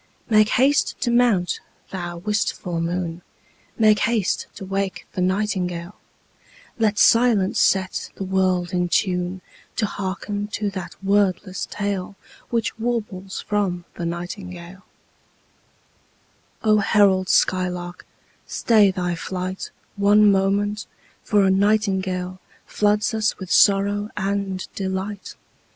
Make haste to mount, thou wistful moon, Make haste to wake the nightingale: Let silence set the world in tune To hearken to that wordless tale Which warbles from the nightingale O herald skylark, stay thy flight One moment, for a nightingale Floods us with sorrow and delight.